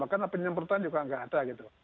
karena penyemprotan juga nggak ada gitu